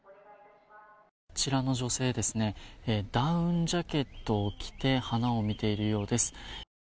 こちらの女性ダウンジャケットを着て花を見ているようです。